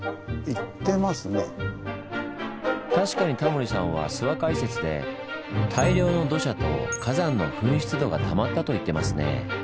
確かにタモリさんは諏訪解説で「大量の土砂」と「火山の噴出土」がたまったと言ってますねぇ。